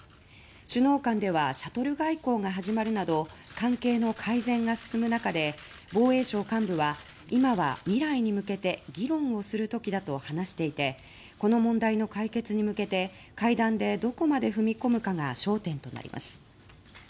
首脳間ではシャトル外交が始まるなど関係の改善が進む中で防衛省幹部は今は未来に向けて議論をする時だと話していてこの問題の解決に向けて会談で、どこまで踏み込むかが焦点となります。